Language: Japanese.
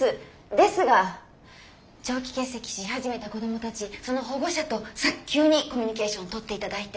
ですが長期欠席し始めた子供たちその保護者と早急にコミュニケーション取っていただいて。